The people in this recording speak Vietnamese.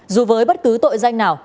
dù với bất cứ tội danh nào